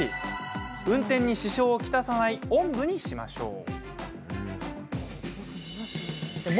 運転に支障を来さないおんぶにしましょう。